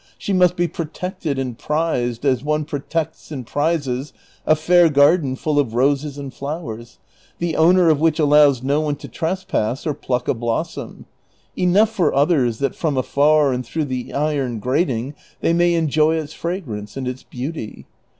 She must be protected and prized as one pro tects and prizes a fair garden full of roses and flowers, the owner of Avhich allows no one to trespass or pluck a blossom ; enough for others that from afar and through the iron grating they may enjoy its fragrance and its beauty.